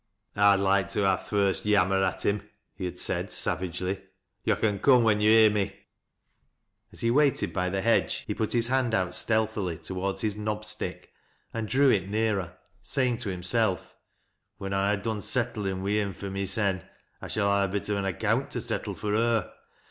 " I'd loike to ha' th' first yammer at him," he had said, savagely. " Yo' can coom when yo' hear me." As he waited by the hedge, he put his hand out stealthily toward his "knob stick" and drew it nearer, saying to himself :" When T ha' done settlin' wi' him fur mysen, I shall ha' a bit o' an account to settle fur her.